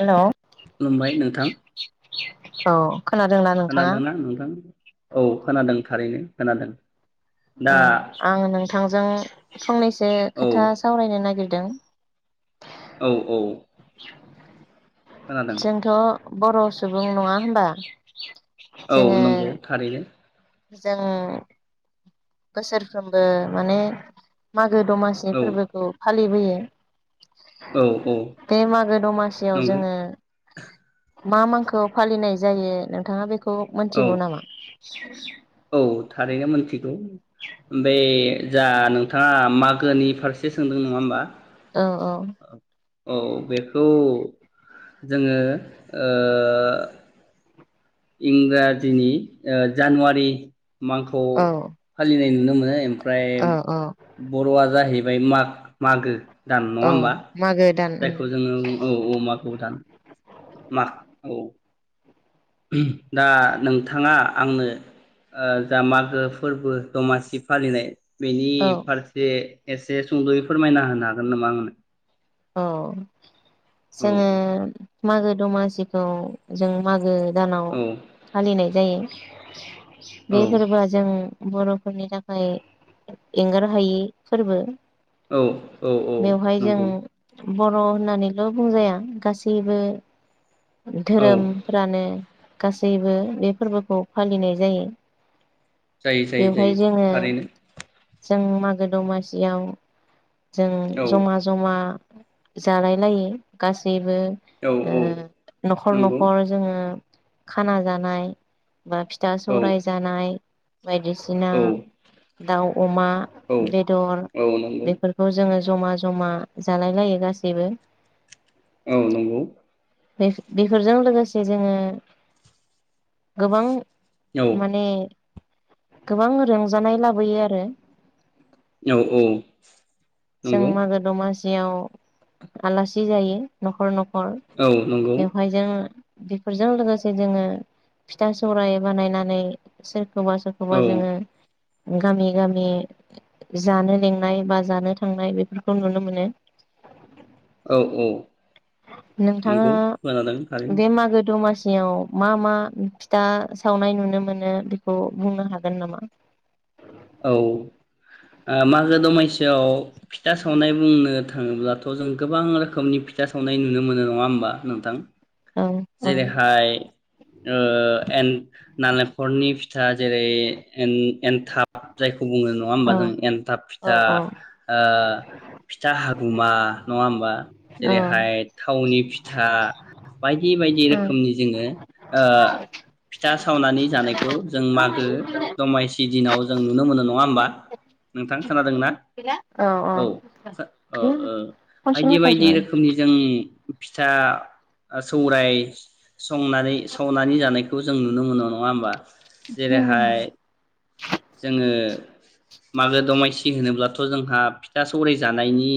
Hello खुलुमबाय नोंथां औ खोनादोंना नोंथाङा खोनादोंना नोंथां औ खोनादों थारैनो खोनादों दा औ आं नोंथांजों फंनैसो औ खोथा सावरायनो नागिर दों औ औ [inaudible] खोनादों जोंथ' बर' सुबुं नङा होनबा? औ जोङो नंगौ थारैनो जों बोसोरफ्रोमबो माने मा गो दमासि औ फोरबोखौ फालिबोयो औ औ बे मागो दमासियाव नंगौ जोङो मा मांखौ फालिनाय जायो नोंथाङा बेखौ खौ औ मोनथिगौ नामा? [unintelligible] औ थारैनो मिथिगौ बे जा नोंथाङा मागोनि फारसे सोंदों नङा होमबा औ औ औ बेखौ जोङो ओ इंराजिनि ओ जानुवारि मांखौ' औ फालिनाय नुनो मोनो ओमफ्राय औ औ बर'आ जाहै फ्राय माग मागो दान नङा औ होमबा मागो दान जायखौ जोङो औ औ मागो दान माग औ दा नोंथाङा आंनो ओ जा मागो फोरबो दमासि फालिनाय बेनि औ फारसे एसे सुंद'यै फोरमायना होनो हागोन नामा आंनो औ औ जोङो मागो दमासिखौ जों मागो दानाव औ फालिनाय जायो बे औ फोरबोआ जों बर'फोरनि थाखाय एंगार हायि फोरबो औ औ औ बेवहाय जों नंगौ बर' होननानैल' बुंजाया गासैबो औ धोरोमफ्रानो गासैबो बे फोरबोखौ फालिनाय जायो। जायो जायो जायो बेवहाय जोङो थारैनो जों मागो दमासियाव जों औ जमा जमा जालाय लायो गासै बो औ ओ औ न'खर नंगौ न'खर जोङो खाना जानाय बा फिथा औ सौराय जानाय। बायदिसिना औ दाउ, अमा औ बेदर औ नंगौ बेफोरखौ जोङो जमा जमा जालाय लायो गासिबो। औ नंगौ। बेफो-बेफोरजों लोगोसे जोङो गोबां औ माने गोबां रंजानाय लाबोयो आरो। औ औ नंगौ। याव आलासि जायो न'खर न खर। औ नंगौ बेवहाय जों बेफोरजों लोगोसे जोङो फिथा सौराय बानायनानै सो रखौबा औ सोरखौबा जोङो गामि गामि जानो लेंनाय बा जानो थांनाय बेफोरखौ नुनो मोनो। औ औ। नोंथाङा नंगौ खोनादों थारैनो बे मागो दमासि याव मा मा फिथा सावनाय नुनो मोनो बेखौ बुंनो हागोन नामा? औ, ओ मागो दमासियाव फिथा सावनाय बुंनो थाङोब्लाथ' जों गोबां रोखोमनि फिथा सावनाय नुनो मोनो नङा होमबा नोंथां? औ औ। जेरैहाय ओ एन नालेंखरनि फिथा जेरै एन-एनथाब जाय खौ बुङो नङा होनबा औ जों एन्थाब औ फिथा। ओ फिथा हा गुमा नङा होमबा? औ जेरैहाय थावनि फिथा बायदि बायदि रोखोमनि जोङो ओ फिथा सावनानै जानायखौ जों मागो दमासि दिनाव जों नुनो मोनो नङा होमबा नोंथां खोनादोंना? औ खो अ ओ खनसेनो बायदि बायदि होखाजोबो रोखोमनि जों फिथा सौराय संनानै सावनानै जानाय खौ जों नुनो मोनो नङा होमबा? औ जेरैहाय ओ मागो दमासि होनोब्लाथ' जोंहा फिथा सौराइ जानायनि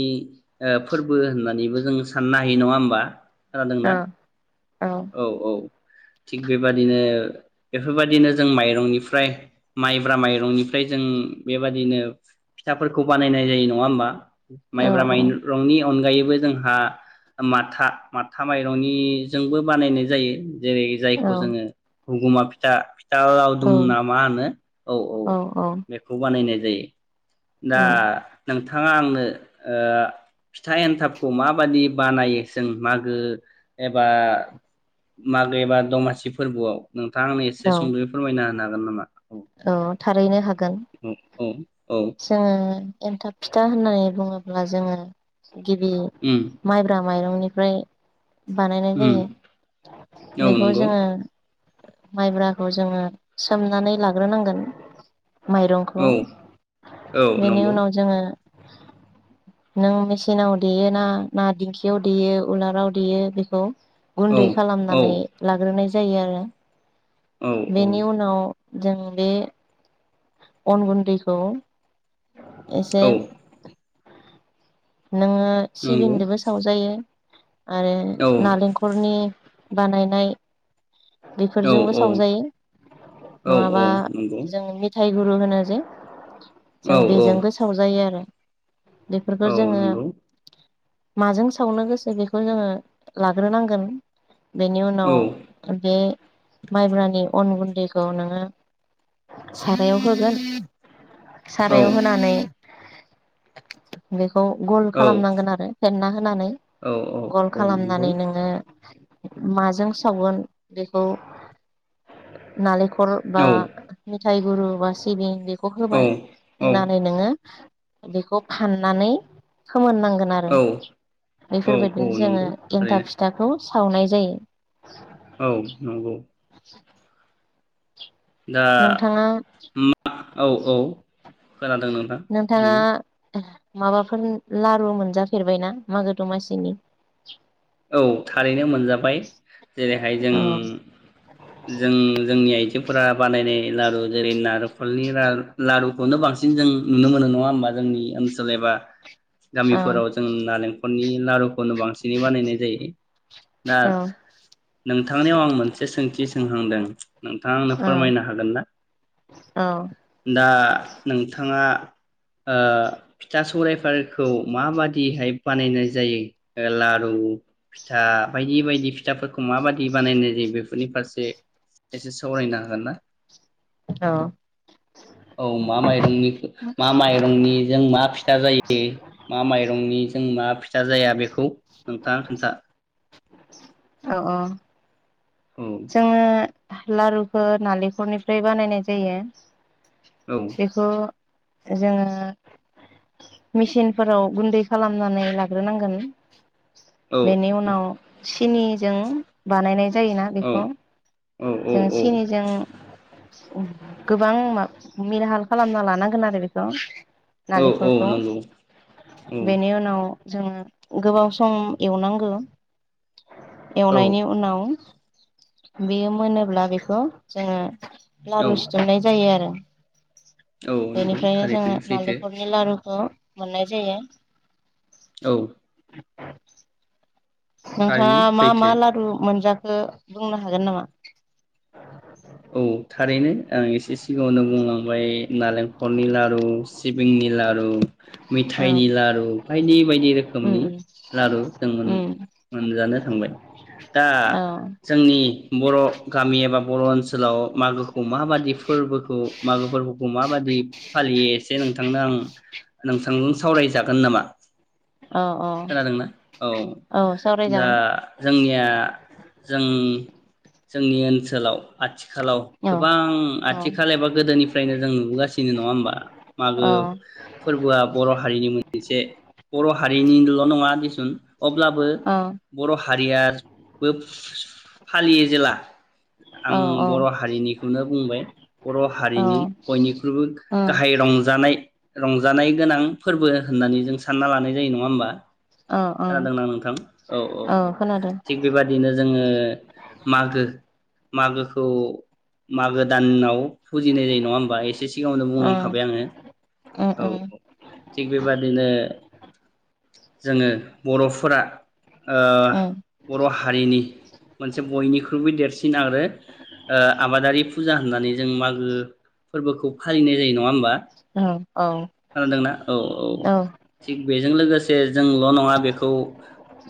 ओ फोरबो होननानैबो जों साननो हायो नङा होमबा? खोनादोंना औ औ औ थिग बेबादिनो बेफोरबायदिनो जों माइरंनिफ्राय माइब्रा माइरं रंनिफ्राय जों बेबादिनो फिथाफोरखौ बानायनाय जायो नङा होमबा? औ माइब्रा औ माइरंनि अनगायै बो जोंहा माथा माथा माइरंनिजोंबो बानायनाय जायो। जेरै जायखौ औ जोङो हगुमा फिथा। फिथा औ लावदुम ना मा होनो औ औ। बे खुब बा बानायनाय जायो। औ दा नों नोंथाङा आंनो ओ फिथा एन्थाबखौ माबादि बानायो जों मागो एबा मागो एबा दमासि फोरबोआव। नोंथां आंनो एसे औ सुंदयै फोरमायना होनो गोन नामा? औ थारैनो हाग गोन औ औ जोङो एन्थाब फिथा होननानै बुङोब्ला जोङो गिबि उम माइब्राम माइरंनिफ्राय बानायनाय उम जायो औ बेखौ नंगौ जोङो माइब्राखौ जोङो सोमनानै ला ग्रोम नांगोन। माइरंखौ औ औ बेनि नंगौ उनाव जोङो नों मेचिनाव देयोना ना दिंखियाव देयो उलाराव देयो बेखौ। औ गुन्दै औ खालामनानै लाग्रोनाय जायो आरो औ औ बेनि उनाव जों बे अन गुन्दैखौ एसे औ नोङो नंगौ सिबिंजोंबो सावजायो। आरो औ नालेंखरनि बानायनाय औ बेफोरजोंबो औ सावजायो नङाबा औ नंगौ जों मेथाइ गुरु होनो जे जों औ औ बेजोंबो सावजायो आरो बेफोरखौ औ जोङो नंगौ माजों सावनो गोसो बेखौ जोङो लाग्रोनांगोन। बेनि औ उनाव बे माइब्रानि अन गुन्दैखौ नोङो सारायाव होगोन औ सारायाव होनानै बे खौ गल औ खालामनांगोन आरो फेेनना होनानै गल औ औ नंगौ खालामनानै नोङो माजों सावगोन बेखौ नालें खर बा औ मिथाइगुरु बा सिबिं खौ होबाय औ औ औ होनानै नोङो बेखौ फाननानै फोमोननांगोन आरो औ बेफोरबायदिनो जोङो नंगौ ओरैनो एन्थाब फिथाखौ सावनाय जायो। औ नंगौ। दा नोंथाङा मा [unintelligible] औ औ खोनादों नोंथां नोंथाङा उम माबाफोर लारु मोनजाफेरबायना मागो दमासिनि,? औ थारैनो मोनजाबाय जेरैहाय जों औ जों जोंनि आइजोफोरा बानायनाय लारु जेरै नारेंखलनि लारुखौनो बांसिन जों नुनो मोनो नङा होमबा जोंनि ओनसोल एबा औ गामिफोराव जों ना लों नालेंखरनि लारु बांसिनै बानायो। दा औ नोंथांनियाव आं मोनसे सोंथि सोंहांदों नोंथाङा आंनो फोरमायनो हागोन ना। औ दा नोंथाङा फिथा सौरायफोरखौ माबादिहाय बानायनाय जायो लारु फिथा बायदि बायदि फिथाफोरखौ माबाददि बानायनाय जायो बेफोरनि फारसे एसे सावरायनो हागोन ना? औ औ मा माइरंनि मा माइरंनि जों मा फिथा जायो मा माइरंनि जों मा फिथा जाया बेखौ नोंथाङा खोन्था। अ औ औ जोङो लारुखौ नालेंखलनिफ्राय बानायनाय जायो। औ बेखौ जोङो मेसिनफोराव गुन्दै खालामनानै लाग्रोनांगोन औ बेनि उनाव सिनिजों बानायनाय जायोना? औ औ औ जों औ सिनिजों गोबां मेलाहाल खालामना लानांगोन आरो बेखौ औ औ नलेंखरखौ नंगौ औ बेनि उनाव जोङो गोबाव सम एवनांगौ औ एवनायनि उनाव बेयो मोनोब्ला बेखौ जोङो औ लारु सिथुंनाय जायो आरो औ नंगौ बेनिफ्रायनो जोङो थारैनो सैथो नालेंखरनि लारु मोननाय जायो औ, थारैनो नोंथाङा मा मा सैथो लारु मोनजा बुंनो हागोन नामा? औ थारैनो, आं एसे सिगाङावनो बुंलांबाय नालेंखरनि लारु, सिबिंनि लारु, औ मिथाइनि लारु, बायदि-बायदि उम रोखोमनि उम लारु जों उम मोनजानो थांबाय। दा औ जोंनि बर' गामि एबा बर' ओनसोल मागोखौ माबादि फोरबोखौ, मागो फोरबोखौ माबादि फालियो एसे नोंथांनो आं नोंथांजों सावराय जागोन नामा? औ औ खोनादोंना? औ, औ दा सावरायजागोन जोंनिया जों जोंनि ओनसोलाव आथि आथिखालाव औ गोबां आथिखाल एबा गोदोनिफ्रायनो जों नुबोगासिनो नङा होमबा! औ मागो फोरबोआ बर' हारिनि मोनसे बर' हारिनिल' नङा दिसुन अब्लाबो औ बर' हारियाबो फालियो जेला औ आं बर' हारिनिखौनो बुंबाय, बर' औ हारिनि बयनिख्रुइबो ओम गाहाय रंजानाय रंजानाय गोनां फोरबो होननानै जों सानना लानाय जायो नङा होमबा? औ खोनादोंना नोंथां? औ-औ, औ खोनादों थिग बेबादिनो जोङो मागो मागोखौ मागो दानाव फुजिनाय जायो नङा होमबा? एसे सिगाङावनो ओम बुंलांखाबाय आङो, ओम औ थिग बेबादिनो जोङो बर'फोरा ओ! ओम बर' हारिनि मोनसे बयनिख्रुइबो देरसि सिन आरो ओ आबादारि फुजा होननानै जों मागो फोरबोखौ फालिनाय जायो नङा होमबा? औ खोनादोंना? औ-औ औ थिग बेजों लोगोसे ए, जोंल' नङा बेखौ,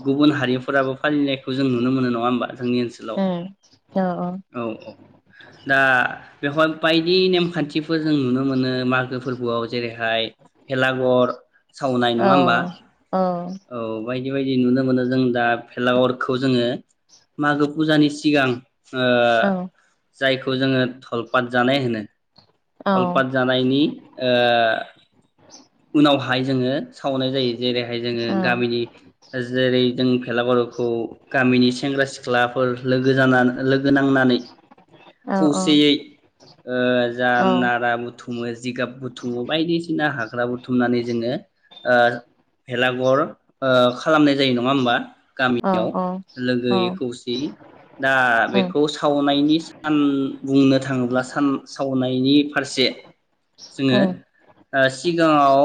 गुबुन हारिफोराबो फालिनायखौ जों नुनो मोनो नङा होमबा? जोंनि ओनसोलाव? ओम औ औ-औ दा बेवहाय बायदि नेमखान्थिफोर जों नुनो मोनो मागो फोरबोआव जेरैहाय भेलाघर सावनाय नङा होमबा? अह। औ बायदि बायदि नुनो मोनो जों दा भलागरखौ जोङो मागो फुजानि सिगां ओ। ओम जायखौ जोङो थलपत जानाय होनो। ओम थलपत जानायनि उनावहाय जोङो सावनाय जायो जेरैहाय जोङो औ गामिनि जेरै जों फेलागार'खौ गामिनि सेंग्रा सिख्ला फोर लोगो जा लोगो नांनानै औ खौसेयै जा नारा बथ' बुथुमो जिगाब बुथुमङो बायदिसिना हाग हाग्रा बुथुमनानै जोङो भेलागर खालामनाय जायो नङा होमबा? गामियाव लोगोै खौसेयै दा बेखौ सावनायनि सान बुंनो थाङोब्ला सान सावनायनि फारसे जोङो सिगाङाव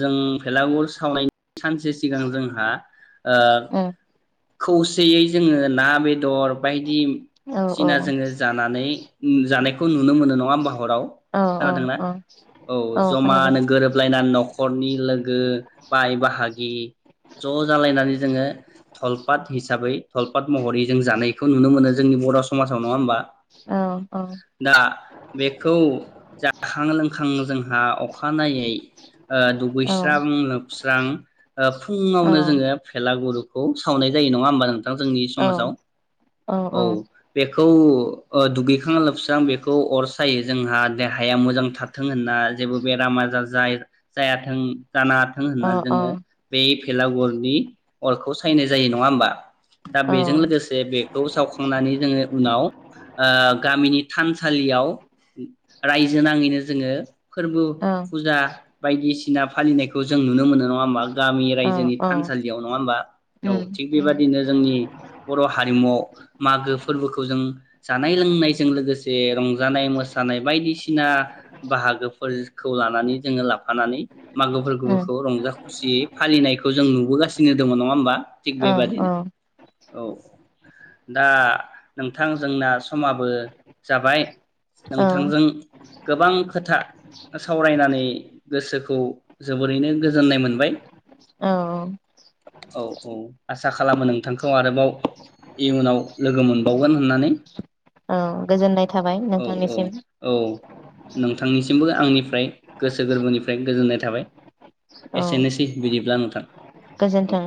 जों भेलागुर सावनायनि सानसे सिगां जोंहा खौसेयै जोङो ना बेदर बायदि औ सिना जोंङो जानानै जानायखौ नुनो मोनो नंङा होमबा? हराव औ औ औ औ। मा खोनादों होनो गोरोबलायना न'खरनि लोगो बाय बाहागि ज' जालायनानै जोंङो धलपात हिसाबै थलपात महरै जों जानायखौ नुनो मोनो जोंनि बर' समाजाव नङा होमबा? औ औ दा बेखौ जाखां लोंखां जोंहा अखा अखानायै दुगैस्रां औ लोबस्रां फुंङावनो जोंङो फेला गुरुखौ सावनाय जायो नंङा हानबा नोंथां जोंनि समाव औ बे बे दुगैखां लोबस्रां बेखौ अर सायो जोंहा देहाया मोजां थाथों होनना जेबो बेराम आजार जाय जायाथों जानोथों होनना जोंङो बे भेलागुरनि अरखौ सायनाय जायो नंङा होमबा? दा बेजों लोगोसे बेखौ सावखांनानै जोंङो उनाव गामिनि थान थालियाव रायजो नाङैनो जोंङो फोरबो फुजा बायदिसिना [unintelligible] फालिनायखौ जों नुनो मोनो नंङा होनबा? गामि औ रायजोनि औ औ थानसालियाव नंङा होमबा औ उम थिग बेबायदिनो जोंनि बर' हारिमुआव मागो फोरबोखौ जों जानाय -लोंनायजों लोगोसे रंजानाय- मोसानाय बायदिसिना बाहागोफोर [unintelligible] लानानै जोंङो लाफानानै मागो उम फोरबोखौ रंजा खुसियै फालिनायखौ जों नुबोगासिनो दंङ नंङा होमबा थिग औ औ बेबादिनो औ औ। दा नोंथां जोंना समाबो जाबाय। औ नोंथांजों गोबां खोथा सावरायनानै गोसोखौ जोबोरैनो गोजोननाय मोनबाय। औ औ औ। आसा खालामो नोंथांखौ आरोबाव इयुनाव लोगो मोनबावगोन होननानै। औ गोजोननाय थाबाय औ औ नोंथांनिसिम। औ नोंथांनिसिमबो आंनिफ्राय गोसो गोरबोनिफ्राय गोजोननाय थाबाय। औ एसेनोसै [unintelligible] अब्ला नोंथां। औ गोजोन्थों।